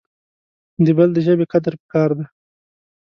د بل دژبي قدر پکار د